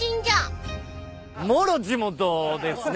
もろ地元ですね